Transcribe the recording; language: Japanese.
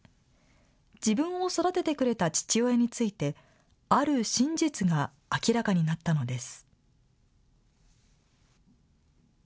自分を育ててくれた父親についてある真実が明らかになったのです。